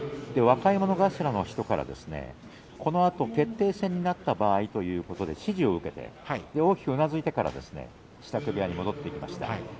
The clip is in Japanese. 若者頭の１人からこのあと決定戦になった場合ということで指示を受けて大きくうなずいてから支度部屋に戻っていきました。